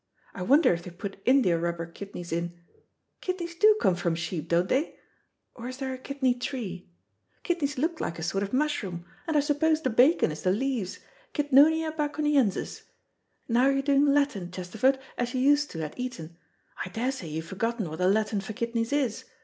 I wonder if they put india rubber kidneys in. Kidneys do come from sheep, don't they? Or is there a kidney tree? Kidneys look like a sort of mushroom, and I suppose the bacon is the leaves, Kidnonia Baconiensis; now you're doing Latin, Chesterford, as you used to at Eton. I daresay you've forgotten what the Latin for kidneys is.